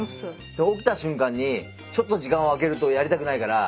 起きた瞬間にちょっと時間を空けるとやりたくないから。